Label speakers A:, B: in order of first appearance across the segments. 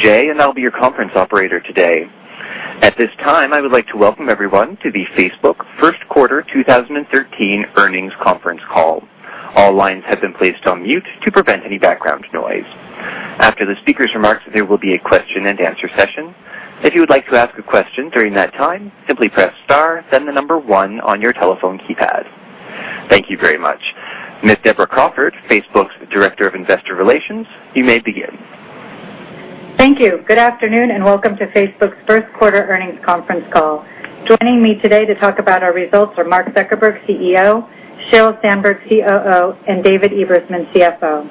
A: Jay, and I'll be your conference operator today. At this time, I would like to welcome everyone to the Facebook first quarter 2013 earnings conference call. All lines have been placed on mute to prevent any background noise. After the speaker's remarks, there will be a question and answer session. If you would like to ask a question during that time, simply press star, then the number one on your telephone keypad. Thank you very much. Ms. Deborah Crawford, Facebook's Director of Investor Relations, you may begin.
B: Thank you. Good afternoon. Welcome to Facebook's first quarter earnings conference call. Joining me today to talk about our results are Mark Zuckerberg, CEO, Sheryl Sandberg, COO, and David Ebersman, CFO.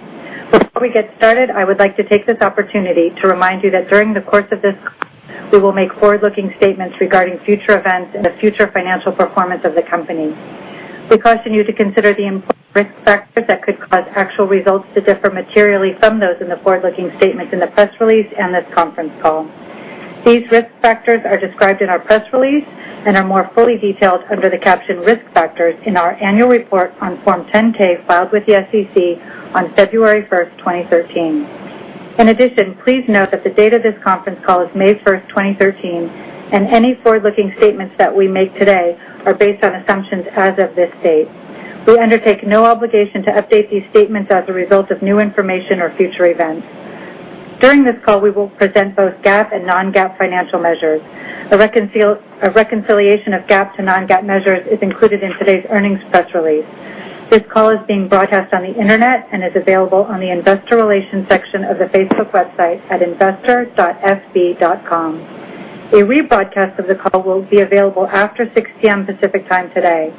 B: Before we get started, I would like to take this opportunity to remind you that during the course of this call, we will make forward-looking statements regarding future events and the future financial performance of the company. We caution you to consider the important risk factors that could cause actual results to differ materially from those in the forward-looking statements in the press release and this conference call. These risk factors are described in our press release and are more fully detailed under the caption Risk Factors in our annual report on Form 10-K filed with the SEC on February 1st, 2013. In addition, please note that the date of this conference call is May 1st, 2013, and any forward-looking statements that we make today are based on assumptions as of this date. We undertake no obligation to update these statements as a result of new information or future events. During this call, we will present both GAAP and non-GAAP financial measures. A reconciliation of GAAP to non-GAAP measures is included in today's earnings press release. This call is being broadcast on the internet and is available on the investor relations section of the Facebook website at investor.fb.com. A rebroadcast of the call will be available after 6:00 P.M. Pacific Time today.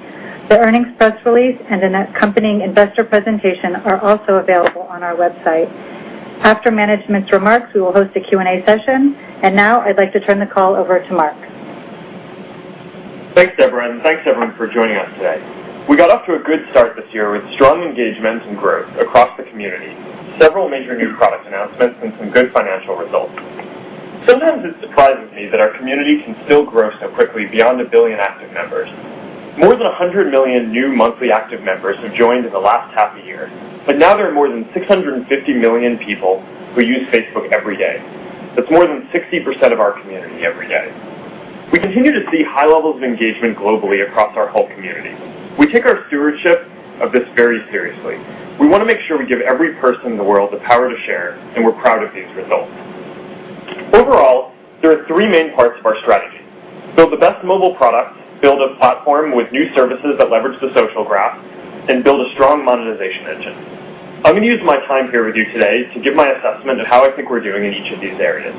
B: The earnings press release and an accompanying investor presentation are also available on our website. After management's remarks, we will host a Q&A session. Now I'd like to turn the call over to Mark.
C: Thanks, Deborah. Thanks everyone for joining us today. We got off to a good start this year with strong engagement and growth across the community, several major new product announcements, and some good financial results. Sometimes it surprises me that our community can still grow so quickly beyond 1 billion active members. More than 100 million new monthly active members have joined in the last half a year. Now there are more than 650 million people who use Facebook every day. That's more than 60% of our community every day. We continue to see high levels of engagement globally across our whole community. We take our stewardship of this very seriously. We want to make sure we give every person in the world the power to share. We're proud of these results. Overall, there are three main parts of our strategy: build the best mobile product, build a platform with new services that leverage the social graph, and build a strong monetization engine. I'm going to use my time here with you today to give my assessment of how I think we're doing in each of these areas.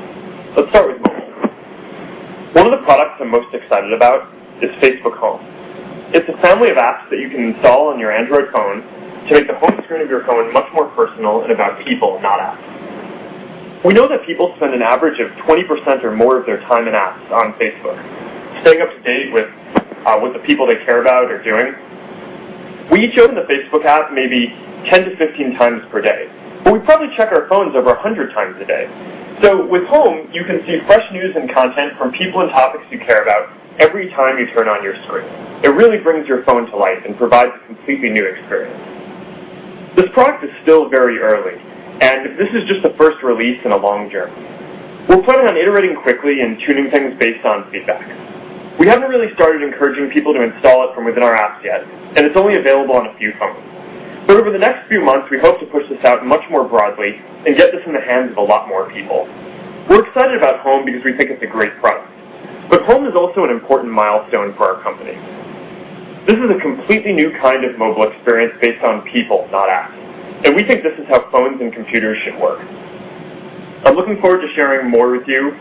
C: Let's start with mobile. One of the products I'm most excited about is Facebook Home. It's a family of apps that you can install on your Android phone to make the home screen of your phone much more personal and about people, not apps. We know that people spend an average of 20% or more of their time in apps on Facebook, staying up to date with what the people they care about are doing. We each open the Facebook app maybe 10 to 15 times per day, but we probably check our phones over 100 times a day. With Home, you can see fresh news and content from people and topics you care about every time you turn on your screen. It really brings your phone to life and provides a completely new experience. This product is still very early, and this is just the first release in a long journey. We're planning on iterating quickly and tuning things based on feedback. We haven't really started encouraging people to install it from within our apps yet, and it's only available on a few phones. Over the next few months, we hope to push this out much more broadly and get this in the hands of a lot more people. We're excited about Home because we think it's a great product. Home is also an important milestone for our company. This is a completely new kind of mobile experience based on people, not apps, and we think this is how phones and computers should work. I'm looking forward to sharing more with you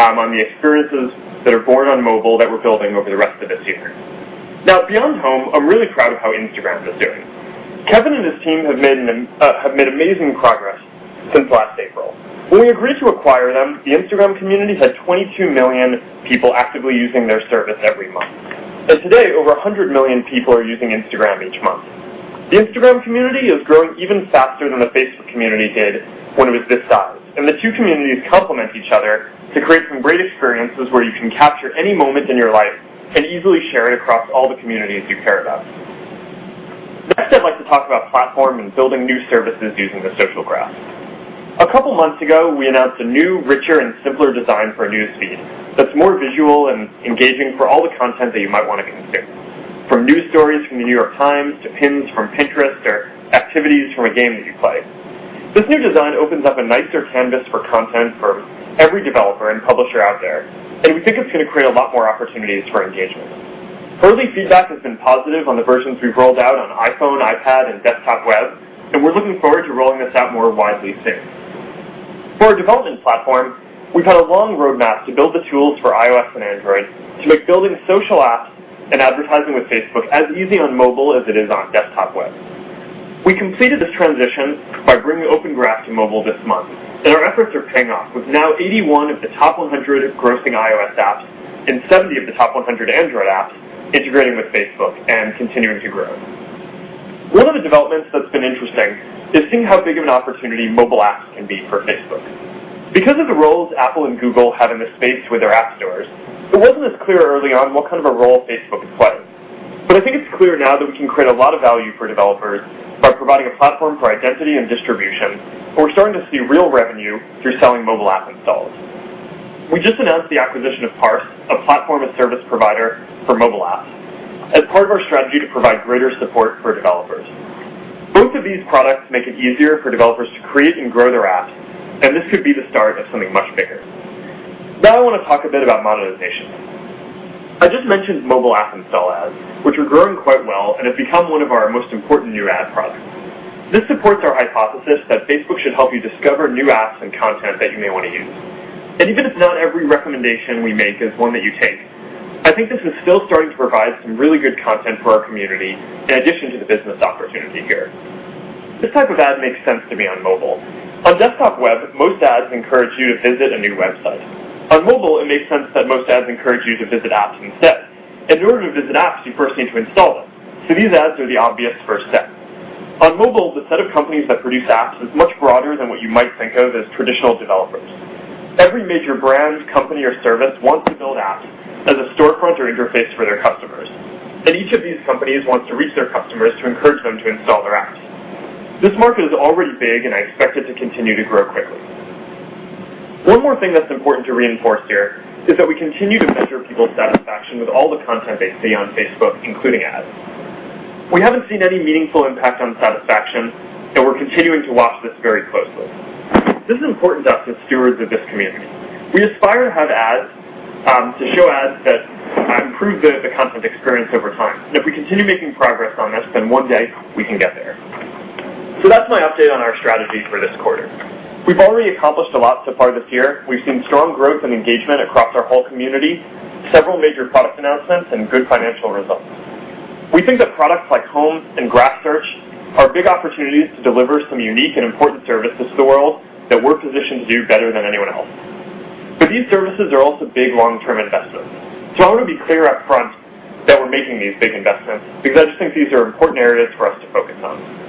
C: on the experiences that are born on mobile that we're building over the rest of this year. Beyond Home, I'm really proud of how Instagram is doing. Kevin and his team have made amazing progress since last April. When we agreed to acquire them, the Instagram community had 22 million people actively using their service every month. As of today, over 100 million people are using Instagram each month. The Instagram community is growing even faster than the Facebook community did when it was this size, and the two communities complement each other to create some great experiences where you can capture any moment in your life and easily share it across all the communities you care about. I'd like to talk about platform and building new services using the social graph. A couple of months ago, we announced a new, richer, and simpler design for News Feed that's more visual and engaging for all the content that you might want to consume, from new stories from The New York Times to pins from Pinterest or activities from a game that you play. This new design opens up a nicer canvas for content for every developer and publisher out there, and we think it's going to create a lot more opportunities for engagement. Early feedback has been positive on the versions we've rolled out on iPhone, iPad, and desktop web, we're looking forward to rolling this out more widely soon. For our development platform, we've had a long roadmap to build the tools for iOS and Android to make building social apps and advertising with Facebook as easy on mobile as it is on desktop web. We completed this transition by bringing Open Graph to mobile this month, our efforts are paying off, with now 81 of the top 100 grossing iOS apps and 70 of the top 100 Android apps integrating with Facebook and continuing to grow. One of the developments that's been interesting is seeing how big of an opportunity mobile apps can be for Facebook. Because of the roles Apple and Google have in the space with their app stores, it wasn't as clear early on what kind of a role Facebook would play. I think it's clear now that we can create a lot of value for developers by providing a platform for identity and distribution, where we're starting to see real revenue through selling mobile app installs. We just announced the acquisition of Parse, a platform and service provider for mobile apps, as part of our strategy to provide greater support for developers. Both of these products make it easier for developers to create and grow their apps, this could be the start of something much bigger. I want to talk a bit about monetization. I just mentioned mobile app install ads, which are growing quite well and have become one of our most important new ad products. This supports our hypothesis that Facebook should help you discover new apps and content that you may want to use. Even if not every recommendation we make is one that you take, I think this is still starting to provide some really good content for our community, in addition to the business opportunity here. This type of ad makes sense to me on mobile. On desktop web, most ads encourage you to visit a new website. On mobile, it makes sense that most ads encourage you to visit apps instead. In order to visit apps, you first need to install them. These ads are the obvious first step. On mobile, the set of companies that produce apps is much broader than what you might think of as traditional developers. Every major brand, company, or service wants to build apps as a storefront or interface for their customers, each of these companies wants to reach their customers to encourage them to install their apps. This market is already big, I expect it to continue to grow quickly. One more thing that's important to reinforce here is that we continue to measure people's satisfaction with all the content they see on Facebook, including ads. We haven't seen any meaningful impact on satisfaction, we're continuing to watch this very closely. This is important to us as stewards of this community. We aspire to show ads that improve the content experience over time, if we continue making progress on this, one day we can get there. That's my update on our strategy for this quarter. We've already accomplished a lot so far this year. We've seen strong growth and engagement across our whole community, several major product announcements, and good financial results. We think that products like Home and Graph Search are big opportunities to deliver some unique and important services to the world that we're positioned to do better than anyone else. These services are also big long-term investments. I want to be clear upfront that we're making these big investments because I just think these are important areas for us to focus on.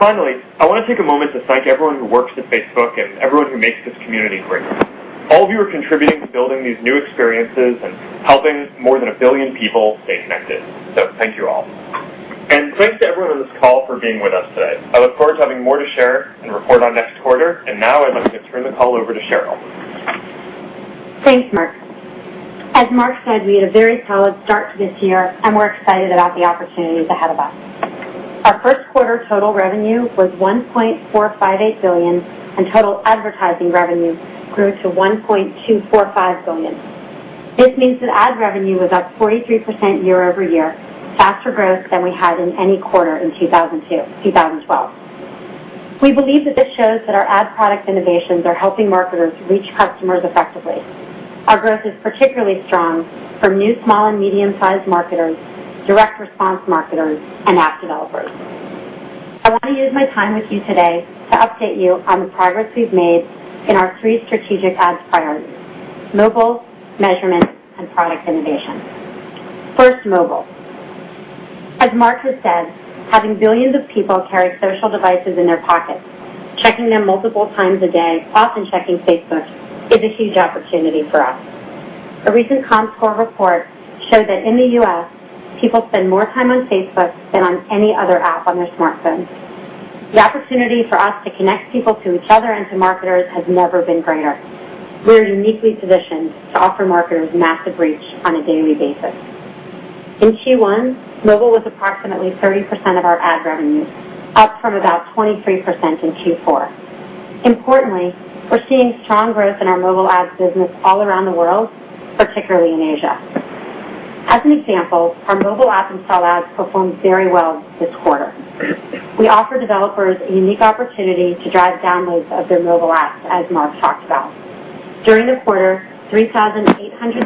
C: Finally, I want to take a moment to thank everyone who works at Facebook and everyone who makes this community great. All of you are contributing to building these new experiences and helping more than a billion people stay connected. Thank you all. Thanks to everyone on this call for being with us today. I look forward to having more to share and report on next quarter. Now I'd like to turn the call over to Sheryl.
D: Thanks, Mark. As Mark said, we had a very solid start to this year, and we're excited about the opportunities ahead of us. Our first quarter total revenue was $1.458 billion, and total advertising revenue grew to $1.245 billion. This means that ad revenue was up 43% year-over-year, faster growth than we had in any quarter in 2012. We believe that this shows that our ad product innovations are helping marketers reach customers effectively. Our growth is particularly strong for new small and medium-sized marketers, direct response marketers, and app developers. I want to use my time with you today to update you on the progress we've made in our three strategic ads priorities: mobile, measurement, and product innovation. First, mobile. As Mark has said, having billions of people carry social devices in their pockets, checking them multiple times a day, often checking Facebook, is a huge opportunity for us. A recent Comscore report showed that in the U.S., people spend more time on Facebook than on any other app on their smartphones. The opportunity for us to connect people to each other and to marketers has never been greater. We are uniquely positioned to offer marketers massive reach on a daily basis. In Q1, mobile was approximately 30% of our ad revenue, up from about 23% in Q4. Importantly, we're seeing strong growth in our mobile ads business all around the world, particularly in Asia. As an example, our mobile app install ads performed very well this quarter. We offer developers a unique opportunity to drive downloads of their mobile apps, as Mark talked about. During the quarter, 3,800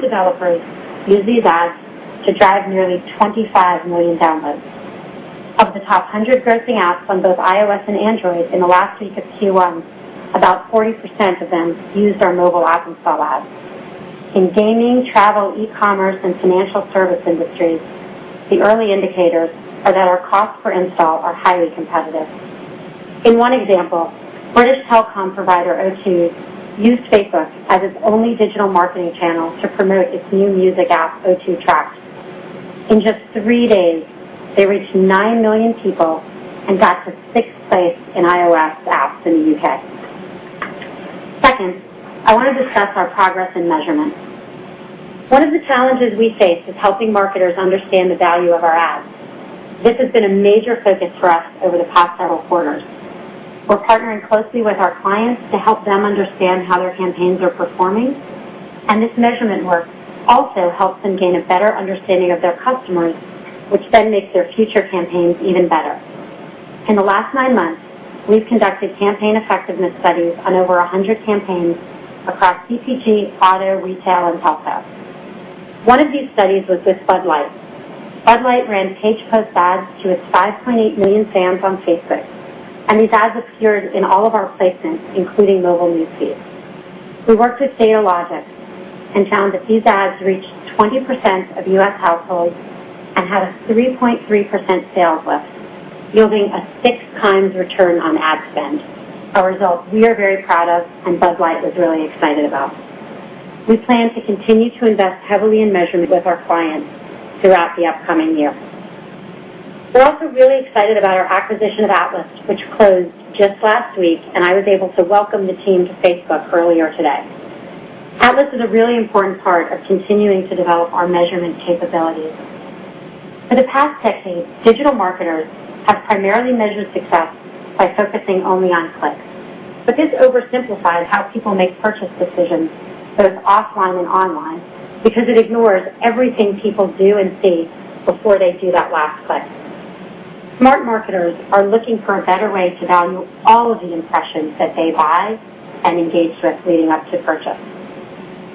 D: developers used these ads to drive nearly 25 million downloads. Of the top 100 grossing apps on both iOS and Android in the last week of Q1, about 40% of them used our mobile app install ads. In gaming, travel, e-commerce, and financial service industries, the early indicators are that our cost per install are highly competitive. In one example, British telecom provider O2 used Facebook as its only digital marketing channel to promote its new music app, O2 Tracks. In just three days, they reached nine million people and got to sixth place in iOS apps in the U.K. Second, I want to discuss our progress in measurement. One of the challenges we face is helping marketers understand the value of our ads. This has been a major focus for us over the past several quarters. We're partnering closely with our clients to help them understand how their campaigns are performing, and this measurement work also helps them gain a better understanding of their customers, which then makes their future campaigns even better. In the last nine months, we've conducted campaign effectiveness studies on over 100 campaigns across CPG, auto, retail, and health apps. One of these studies was with Bud Light. Bud Light ran Page Post ads to its 5.8 million fans on Facebook, and these ads appeared in all of our placements, including mobile News Feed. We worked with Datalogix and found that these ads reached 20% of U.S. households and had a 3.3% sales lift, yielding a six times return on ad spend, a result we are very proud of and Bud Light was really excited about. We plan to continue to invest heavily in measurement with our clients throughout the upcoming year. We're also really excited about our acquisition of Atlas, which closed just last week, and I was able to welcome the team to Facebook earlier today. Atlas is a really important part of continuing to develop our measurement capabilities. For the past decade, digital marketers have primarily measured success by focusing only on clicks. This oversimplifies how people make purchase decisions, both offline and online, because it ignores everything people do and see before they do that last click. Smart marketers are looking for a better way to value all of the impressions that they buy and engage with leading up to purchase.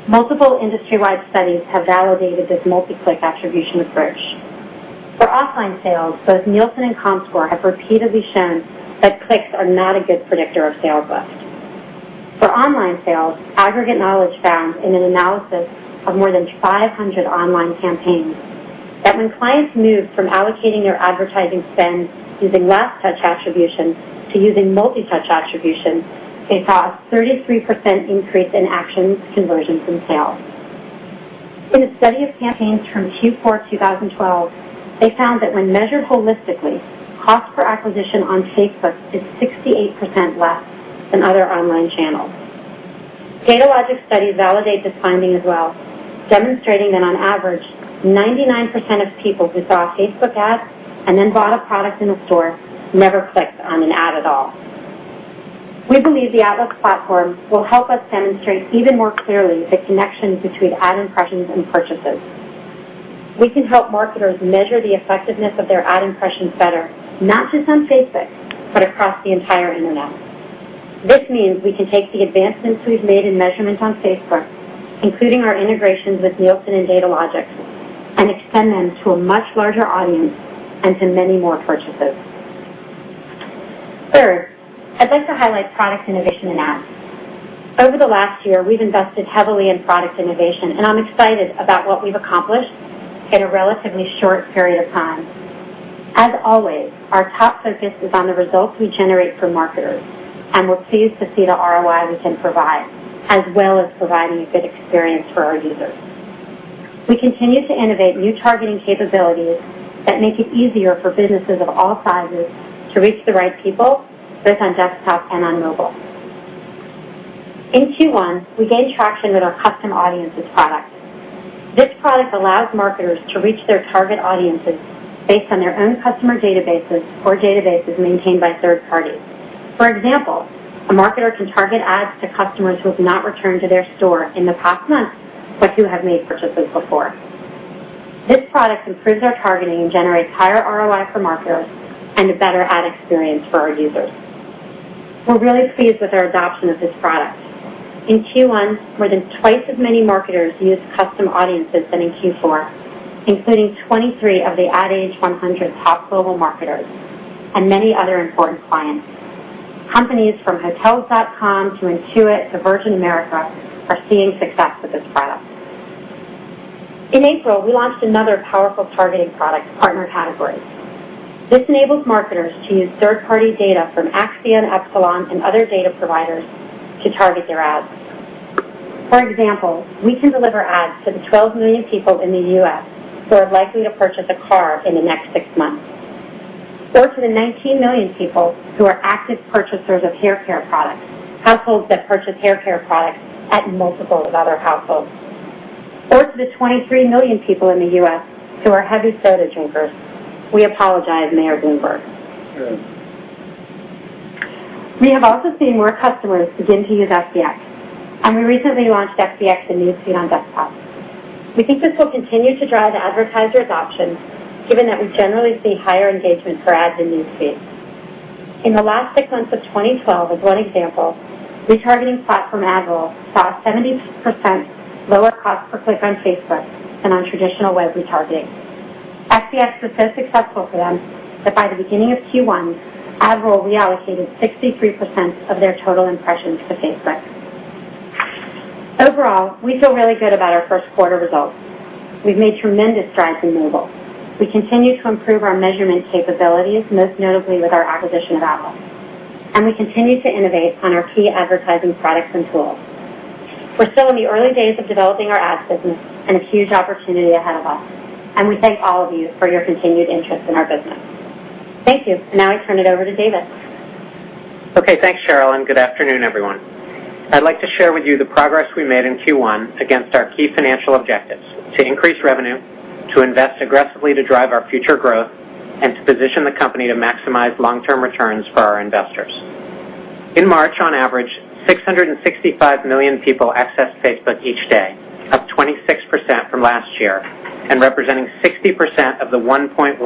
D: Multiple industry-wide studies have validated this multi-touch attribution approach. For offline sales, both Nielsen and Comscore have repeatedly shown that clicks are not a good predictor of sales lift. For online sales, Aggregate Knowledge found in an analysis of more than 500 online campaigns, that when clients moved from allocating their advertising spend using last touch attribution to using multi-touch attribution, they saw a 33% increase in actions, conversions, and sales. In a study of campaigns from Q4 2012, they found that when measured holistically, cost per acquisition on Facebook is 68% less than other online channels. Datalogix studies validate this finding as well, demonstrating that on average, 99% of people who saw a Facebook ad and then bought a product in a store never clicked on an ad at all. We believe the Atlas platform will help us demonstrate even more clearly the connection between ad impressions and purchases. We can help marketers measure the effectiveness of their ad impressions better, not just on Facebook, but across the entire internet. This means we can take the advancements we've made in measurement on Facebook, including our integrations with Nielsen and Datalogix, and extend them to a much larger audience and to many more purchases. Third, I'd like to highlight product innovation in ads. Over the last year, we've invested heavily in product innovation, and I'm excited about what we've accomplished in a relatively short period of time. As always, our top focus is on the results we generate for marketers, and we're pleased to see the ROI we can provide, as well as providing a good experience for our users. We continue to innovate new targeting capabilities that make it easier for businesses of all sizes to reach the right people, both on desktop and on mobile. In Q1, we gained traction with our Custom Audiences product. This product allows marketers to reach their target audiences based on their own customer databases or databases maintained by third parties. For example, a marketer can target ads to customers who have not returned to their store in the past month, but who have made purchases before. This product improves our targeting and generates higher ROI for marketers and a better ad experience for our users. We're really pleased with our adoption of this product. In Q1, more than twice as many marketers used Custom Audiences than in Q4, including 23 of the Ad Age 100 top global marketers and many other important clients. Companies from Hotels.com to Intuit to Virgin America are seeing success with this product. In April, we launched another powerful targeting product, Partner Categories. This enables marketers to use third-party data from Acxiom, Epsilon, and other data providers to target their ads. For example, we can deliver ads to the 12 million people in the U.S. who are likely to purchase a car in the next six months, or to the 19 million people who are active purchasers of hair care products, households that purchase hair care products at multiples of other households, or to the 23 million people in the U.S. who are heavy soda drinkers. We apologize, Michael Bloomberg.
E: Sure.
D: We have also seen more customers begin to use FBX, and we recently launched FBX in News Feed on desktop. We think this will continue to drive advertiser adoption, given that we generally see higher engagement for ads in News Feed. In the last six months of 2012, as one example, retargeting platform AdRoll saw a 70% lower cost per click on Facebook than on traditional web retargeting. FBX was so successful for them that by the beginning of Q1, AdRoll reallocated 63% of their total impressions to Facebook. Overall, we feel really good about our first quarter results. We've made tremendous strides in mobile. We continue to improve our measurement capabilities, most notably with our acquisition of Atlas, and we continue to innovate on our key advertising products and tools. We're still in the early days of developing our ads business and have huge opportunity ahead of us. We thank all of you for your continued interest in our business. Thank you. Now I turn it over to David.
E: Okay. Thanks, Sheryl, and good afternoon, everyone. I'd like to share with you the progress we made in Q1 against our key financial objectives to increase revenue, to invest aggressively to drive our future growth, and to position the company to maximize long-term returns for our investors. In March, on average, 665 million people accessed Facebook each day, up 26% from last year and representing 60% of the 1.11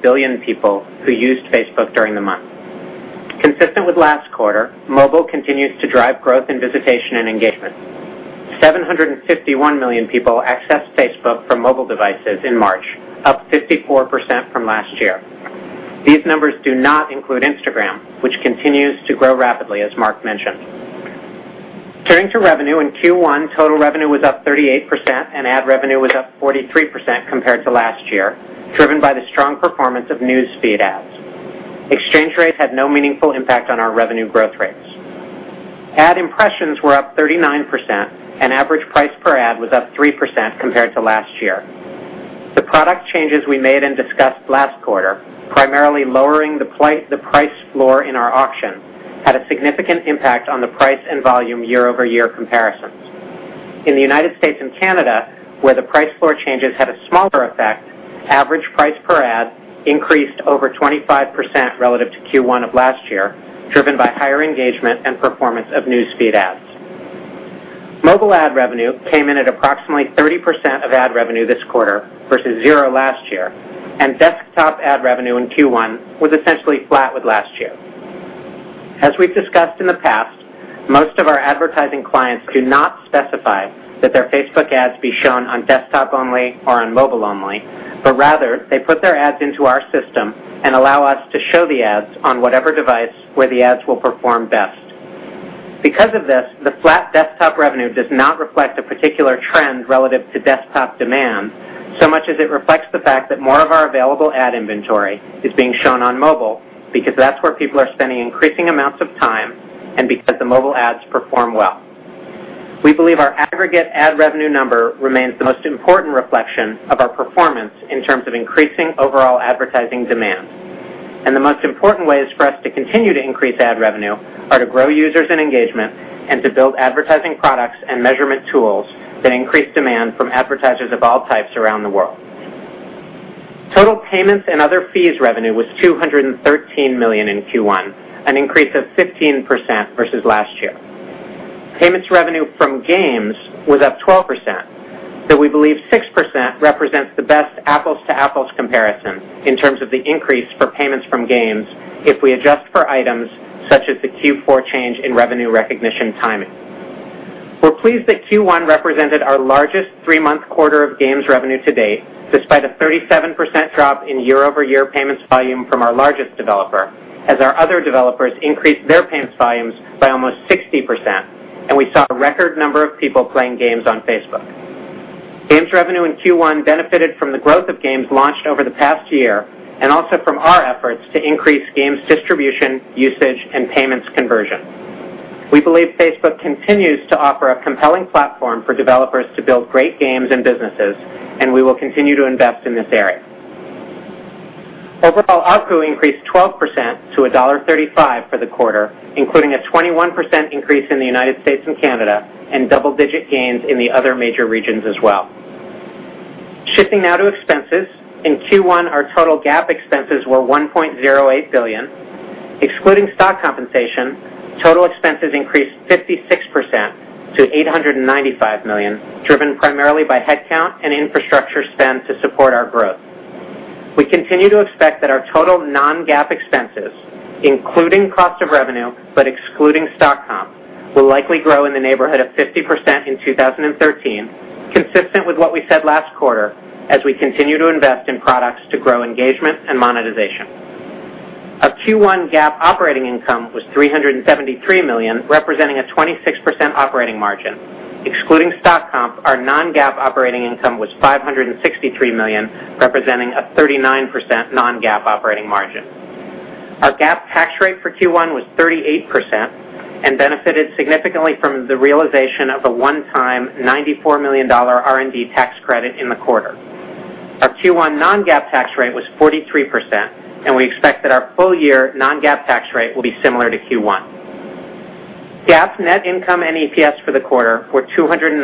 E: billion people who used Facebook during the month. Consistent with last quarter, mobile continues to drive growth in visitation and engagement. 751 million people accessed Facebook from mobile devices in March, up 54% from last year. These numbers do not include Instagram, which continues to grow rapidly, as Mark mentioned. Turning to revenue, in Q1, total revenue was up 38% and ad revenue was up 43% compared to last year, driven by the Performance of News Feed ads. Exchange rates had no meaningful impact on our revenue growth rates. Ad impressions were up 39%, and average price per ad was up 3% compared to last year. The product changes we made and discussed last quarter, primarily lowering the price floor in our auction, had a significant impact on the price and volume year-over-year comparisons. In the United States and Canada, where the price floor changes had a smaller effect, average price per ad increased over 25% relative to Q1 of last year, driven by higher engagement and performance of News Feed ads. Mobile ad revenue came in at approximately 30% of ad revenue this quarter versus zero last year, and desktop ad revenue in Q1 was essentially flat with last year. As we've discussed in the past, most of our advertising clients do not specify that their Facebook ads be shown on desktop only or on mobile only, but rather, they put their ads into our system and allow us to show the ads on whatever device where the ads will perform best. Because of this, the flat desktop revenue does not reflect a particular trend relative to desktop demand, so much as it reflects the fact that more of our available ad inventory is being shown on mobile because that's where people are spending increasing amounts of time and because the mobile ads perform well. We believe our aggregate ad revenue number remains the most important reflection of our performance in terms of increasing overall advertising demand. The most important ways for us to continue to increase ad revenue are to grow users and engagement and to build advertising products and measurement tools that increase demand from advertisers of all types around the world. Total payments and other fees revenue was $213 million in Q1, an increase of 15% versus last year. Payments revenue from Games was up 12%, though we believe 6% represents the best apples to apples comparison in terms of the increase for payments from Games, if we adjust for items such as the Q4 change in revenue recognition timing. We're pleased that Q1 represented our largest three-month quarter of Games revenue to date, despite a 37% drop in year-over-year payments volume from our largest developer, as our other developers increased their payments volumes by almost 60%, and we saw a record number of people playing Games on Facebook. Games revenue in Q1 benefited from the growth of Games launched over the past year, and also from our efforts to increase Games distribution, usage, and payments conversion. We believe Facebook continues to offer a compelling platform for developers to build great games and businesses, and we will continue to invest in this area. Overall, ARPU increased 12% to $1.35 for the quarter, including a 21% increase in the United States and Canada, and double-digit gains in the other major regions as well. Shifting now to expenses. In Q1, our total GAAP expenses were $1.08 billion. Excluding stock compensation, total expenses increased 56% to $895 million, driven primarily by headcount and infrastructure spend to support our growth. We continue to expect that our total non-GAAP expenses, including cost of revenue, but excluding stock comp, will likely grow in the neighborhood of 50% in 2013, consistent with what we said last quarter, as we continue to invest in products to grow engagement and monetization. Our Q1 GAAP operating income was $373 million, representing a 26% operating margin. Excluding stock comp, our non-GAAP operating income was $563 million, representing a 39% non-GAAP operating margin. Our GAAP tax rate for Q1 was 38% and benefited significantly from the realization of a one-time $94 million R&D tax credit in the quarter. Our Q1 non-GAAP tax rate was 43%, and we expect that our full year non-GAAP tax rate will be similar to Q1. GAAP net income and EPS for the quarter were $219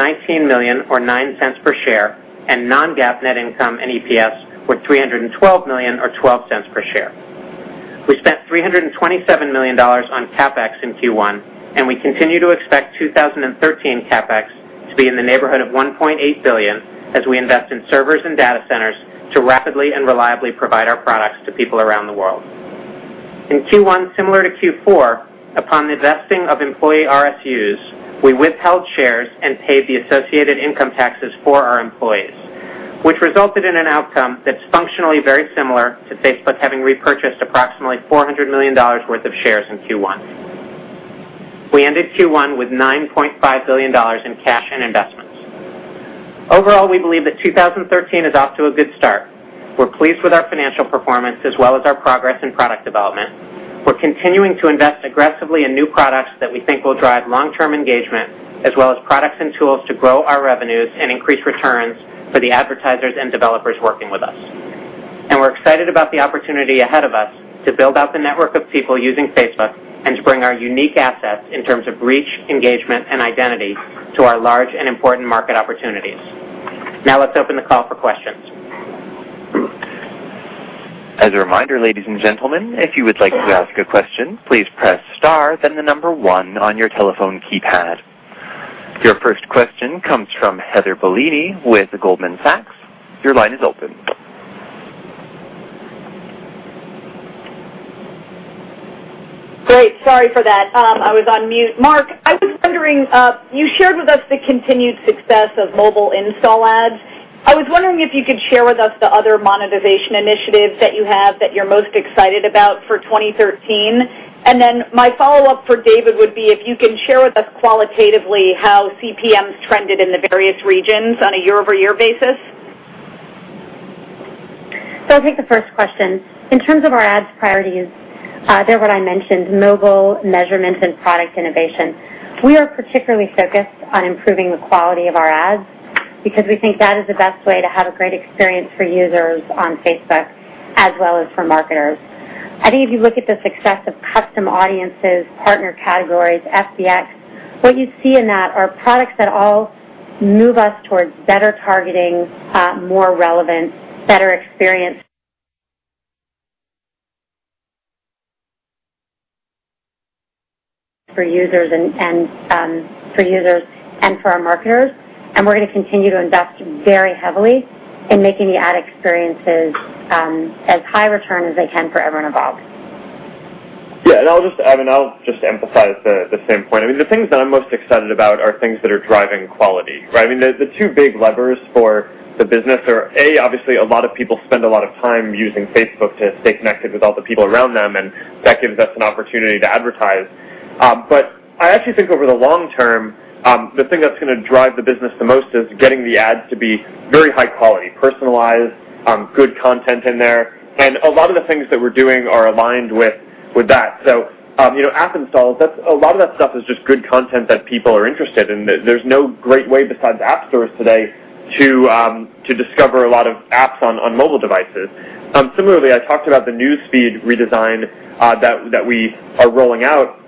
E: million, or $0.09 per share, and non-GAAP net income and EPS were $312 million, or $0.12 per share. We spent $327 million on CapEx in Q1, and we continue to expect 2013 CapEx to be in the neighborhood of $1.8 billion as we invest in servers and data centers to rapidly and reliably provide our products to people around the world. In Q1, similar to Q4, upon the vesting of employee RSUs, we withheld shares and paid the associated income taxes for our employees, which resulted in an outcome that's functionally very similar to Facebook having repurchased approximately $400 million worth of shares in Q1. We ended Q1 with $9.5 billion in cash and investments. Overall, we believe that 2013 is off to a good start. We're pleased with our financial performance, as well as our progress in product development. We're continuing to invest aggressively in new products that we think will drive long-term engagement, as well as products and tools to grow our revenues and increase returns for the advertisers and developers working with us. We're excited about the opportunity ahead of us to build out the network of people using Facebook and to bring our unique assets in terms of reach, engagement, and identity to our large and important market opportunities. Let's open the call for questions.
A: As a reminder, ladies and gentlemen, if you would like to ask a question, please press star then the number 1 on your telephone keypad. Your first question comes from Heather Bellini with Goldman Sachs. Your line is open.
F: Great. Sorry for that. I was on mute. Mark, I was wondering, you shared with us the continued success of mobile install ads. I was wondering if you could share with us the other monetization initiatives that you have that you're most excited about for 2013. My follow-up for David would be if you can share with us qualitatively how CPMs trended in the various regions on a year-over-year basis?
D: I'll take the first question. In terms of our ads priorities, they're what I mentioned, mobile measurement and product innovation. We are particularly focused on improving the quality of our ads because we think that is the best way to have a great experience for users on Facebook as well as for marketers. I think if you look at the success of Custom Audiences, Partner Categories, FBX, what you see in that are products that all move us towards better targeting, more relevant, better experience for users and for our marketers, we're going to continue to invest very heavily in making the ad experiences as high return as they can for everyone involved.
C: I'll just emphasize the same point. I mean, the things that I'm most excited about are things that are driving quality, right? I mean, the two big levers for the business are, A, obviously a lot of people spend a lot of time using Facebook to stay connected with all the people around them, and that gives us an opportunity to advertise. I actually think over the long term, the thing that's going to drive the business the most is getting the ads to be very high quality, personalized, good content in there. A lot of the things that we're doing are aligned with that. App installs, a lot of that stuff is just good content that people are interested in. There's no great way besides app stores today to discover a lot of apps on mobile devices. Similarly, I talked about the News Feed redesign that we are rolling out,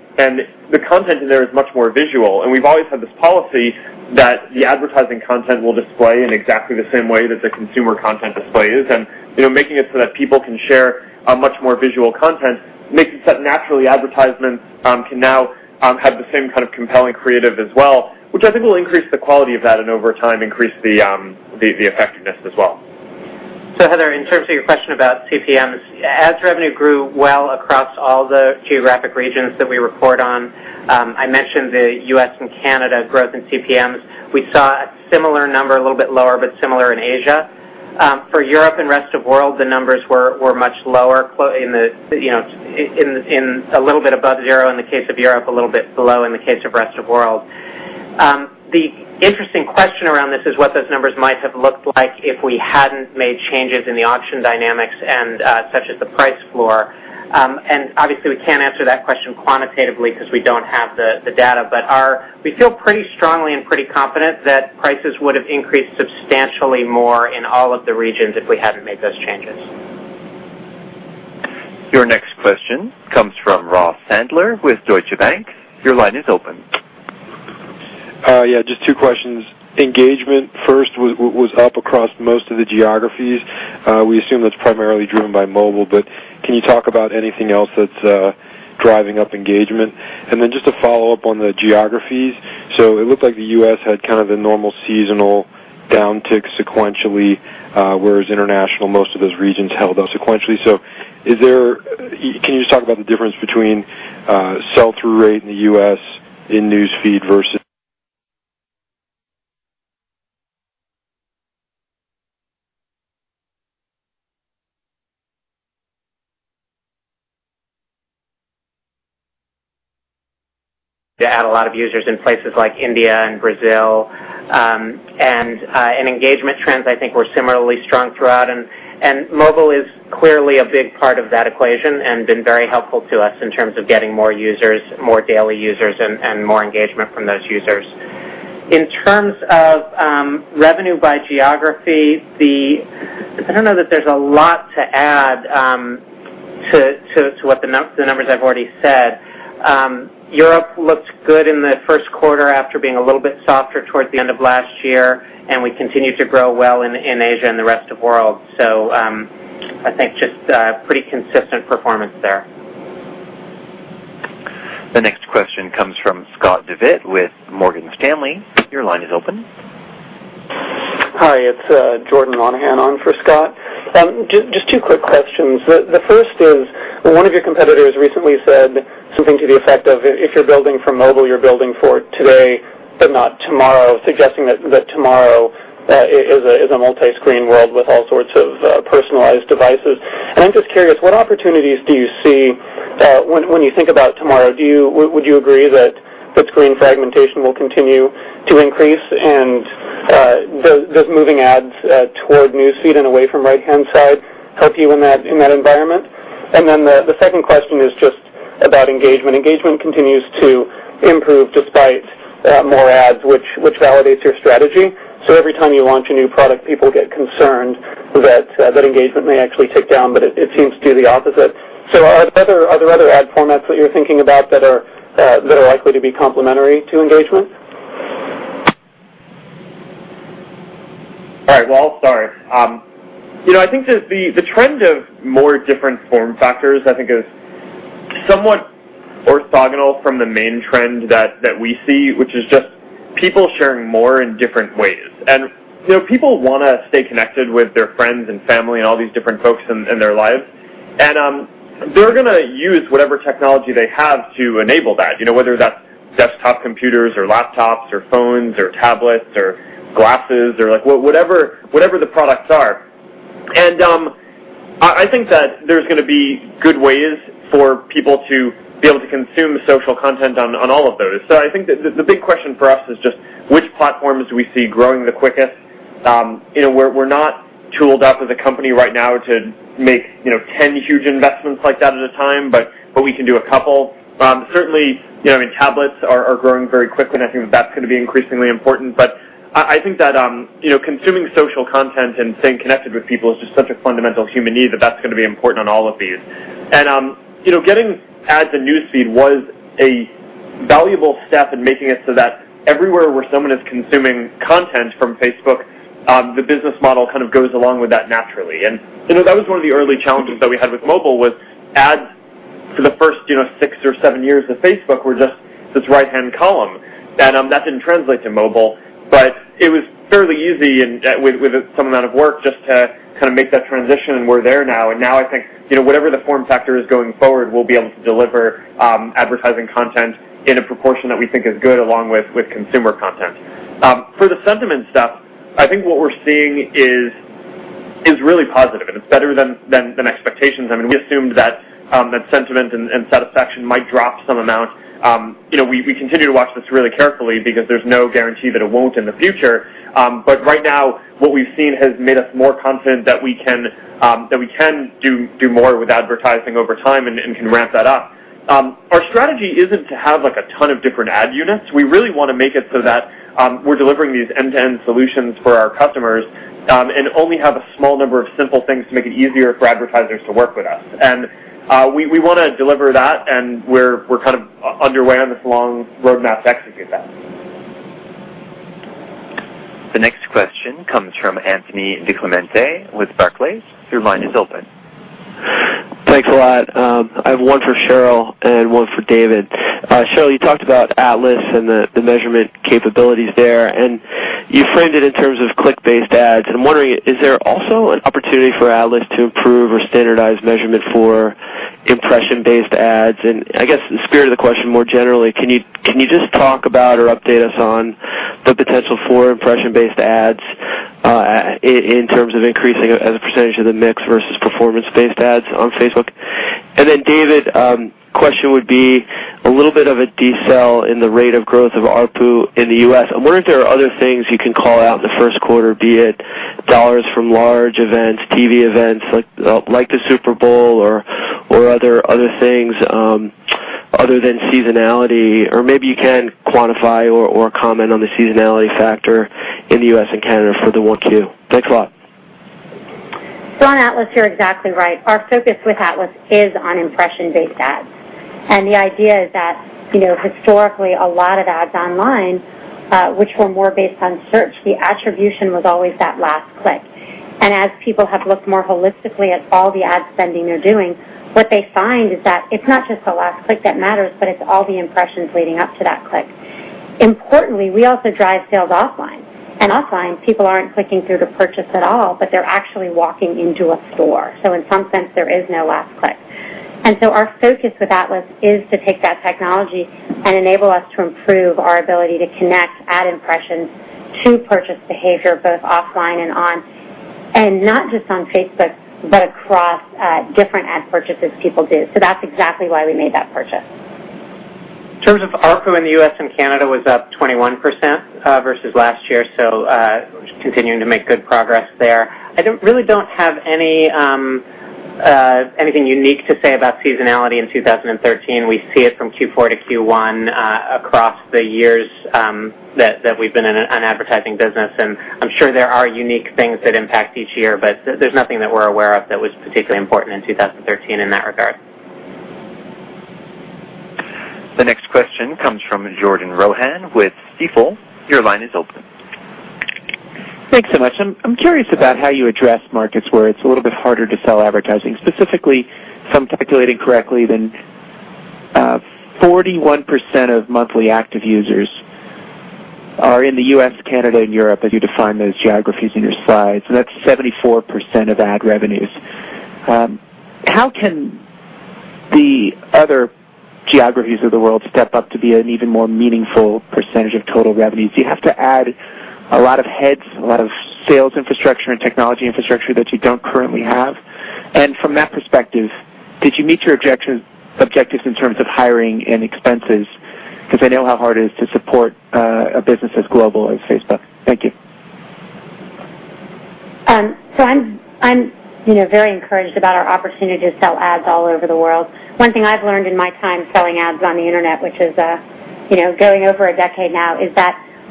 C: the content in there is much more visual, we've always had this policy that the advertising content will display in exactly the same way that the consumer content displays. Making it so that people can share a much more visual content makes it so that naturally advertisements can now have the same kind of compelling creative as well, which I think will increase the quality of that and over time increase the effectiveness as well.
E: Heather, in terms of your question about CPMs, ads revenue grew well across all the geographic regions that we report on. I mentioned the U.S. and Canada growth in CPMs. We saw a similar number, a little bit lower, but similar in Asia. For Europe and rest of world, the numbers were much lower, a little bit above zero in the case of Europe, a little bit below in the case of rest of world. The interesting question around this is what those numbers might have looked like if we hadn't made changes in the auction dynamics such as the price floor. Obviously we can't answer that question quantitatively because we don't have the data, but we feel pretty strongly and pretty confident that prices would've increased substantially more in all of the regions if we hadn't made those changes.
A: Your next question comes from Ross Sandler with Deutsche Bank. Your line is open.
G: Just two questions. Engagement first was up across most of the geographies. We assume that's primarily driven by mobile, but can you talk about anything else that's driving up engagement? Just to follow up on the geographies, it looked like the U.S. had kind of a normal seasonal downtick sequentially, whereas international, most of those regions held up sequentially. Can you just talk about the difference between sell-through rate in the U.S. in News Feed versus-
E: To add a lot of users in places like India and Brazil. Engagement trends I think were similarly strong throughout, and mobile is clearly a big part of that equation and been very helpful to us in terms of getting more users, more daily users, and more engagement from those users. In terms of revenue by geography, I don't know that there's a lot to add to the numbers I've already said. Europe looked good in the first quarter after being a little bit softer towards the end of last year, and we continued to grow well in Asia and the rest of world. I think just a pretty consistent performance there.
A: The next question comes from Scott Devitt with Morgan Stanley. Your line is open.
H: Hi, it's Jordan Monaghan on for Scott. Just two quick questions. The first is, one of your competitors recently said something to the effect of if you're building for mobile, you're building for today, but not tomorrow, suggesting that tomorrow is a multi-screen world with all sorts of personalized devices. I'm just curious, what opportunities do you see when you think about tomorrow? Would you agree that the screen fragmentation will continue to increase, and does moving ads toward News Feed and away from right-hand side help you in that environment? The second question is just about engagement. Engagement continues to improve despite more ads, which validates your strategy. Every time you launch a new product, people get concerned that engagement may actually tick down, but it seems to do the opposite. Are there other ad formats that you're thinking about that are likely to be complementary to engagement?
C: All right. Well, I'll start. I think the trend of more different form factors I think is somewhat orthogonal from the main trend that we see, which is just people sharing more in different ways. People want to stay connected with their friends and family and all these different folks in their lives, and they're going to use whatever technology they have to enable that, whether that's desktop computers or laptops or phones or tablets or glasses or whatever the products are. I think that there's going to be good ways for people to be able to consume social content on all of those. I think the big question for us is just which platforms do we see growing the quickest? We're not tooled up as a company right now to make 10 huge investments like that at a time, but we can do a couple. Certainly, tablets are growing very quickly, and I think that's going to be increasingly important. I think that consuming social content and staying connected with people is just such a fundamental human need that that's going to be important on all of these. Getting ads in News Feed was a valuable step in making it so that everywhere where someone is consuming content from Facebook, the business model kind of goes along with that naturally. That was one of the early challenges that we had with mobile was ads for the first six or seven years of Facebook were just this right-hand column. That didn't translate to mobile, but it was fairly easy with some amount of work just to kind of make that transition, and we're there now. Now I think, whatever the form factor is going forward, we'll be able to deliver advertising content in a proportion that we think is good along with consumer content. For the sentiment stuff, I think what we're seeing is really positive, and it's better than expectations. We assumed that sentiment and satisfaction might drop some amount. We continue to watch this really carefully because there's no guarantee that it won't in the future. Right now, what we've seen has made us more confident that we can do more with advertising over time and can ramp that up. Our strategy isn't to have a ton of different ad units. We really want to make it so that we're delivering these end-to-end solutions for our customers, and only have a small number of simple things to make it easier for advertisers to work with us. We want to deliver that, and we're kind of underway on this long roadmap to execute that.
A: The next question comes from Anthony DiClemente with Barclays. Your line is open.
I: Thanks a lot. I have one for Sheryl and one for David. Sheryl, you talked about Atlas and the measurement capabilities there, and you framed it in terms of click-based ads. I'm wondering, is there also an opportunity for Atlas to improve or standardize measurement for impression-based ads? I guess the spirit of the question more generally, can you just talk about or update us on the potential for impression-based ads in terms of increasing as a percentage of the mix versus performance-based ads on Facebook? Then David, question would be a little bit of a detail in the rate of growth of ARPU in the U.S. I'm wondering if there are other things you can call out in the first quarter, be it dollars from large events, TV events like the Super Bowl or other things other than seasonality. Maybe you can quantify or comment on the seasonality factor in the U.S. and Canada for the 1Q. Thanks a lot.
C: On Atlas, you're exactly right. Our focus with Atlas is on impression-based ads. The idea is that historically, a lot of ads online, which were more based on search, the attribution was always that last click. As people have looked more holistically at all the ad spending they're doing, what they find is that it's not just the last click that matters, but it's all the impressions leading up to that click. Importantly, we also drive sales offline, and offline, people aren't clicking through to purchase at all, but they're actually walking into a store. In some sense, there is no last click. Our focus with Atlas is to take that technology and enable us to improve our ability to connect ad impressions to purchase behavior, both offline and on, and not just on Facebook, but across different ad purchases people do. That's exactly why we made that purchase.
E: In terms of ARPU in the U.S. and Canada was up 21% versus last year, continuing to make good progress there. I really don't have anything unique to say about seasonality in 2013. We see it from Q4 to Q1 across the years that we've been in an advertising business. I'm sure there are unique things that impact each year, but there's nothing that we're aware of that was particularly important in 2013 in that regard.
A: The next question comes from Jordan Rohan with Stifel. Your line is open.
J: Thanks so much. I'm curious about how you address markets where it's a little bit harder to sell advertising. Specifically, if I'm calculating correctly, 41% of monthly active users are in the U.S., Canada, and Europe, as you define those geographies in your slides, and that's 74% of ad revenues. How can the other geographies of the world step up to be an even more meaningful percentage of total revenues? Do you have to add a lot of heads, a lot of sales infrastructure and technology infrastructure that you don't currently have? From that perspective, did you meet your objectives in terms of hiring and expenses? Because I know how hard it is to support a business as global as Facebook. Thank you.
C: I'm very encouraged about our opportunity to sell ads all over the world. One thing I've learned in my time selling ads on the internet, which is going over a decade now, is